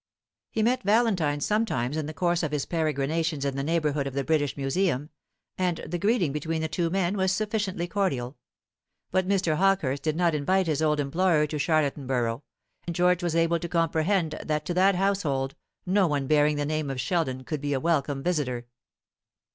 He met Valentine sometimes in the course of his peregrinations in the neighbourhood of the British Museum, and the greeting between the two men was sufficiently cordial; but Mr. Hawkehurst did not invite his old employer to Charlottenburgh, and George was able to comprehend that to that household no one bearing the name of Sheldon could be a welcome visitor.